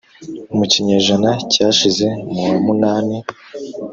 mu kinyejana cyashize mu wa munani